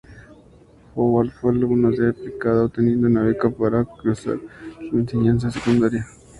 Howard fue un alumno muy aplicado, obteniendo una beca para cursar la enseñanza secundaria.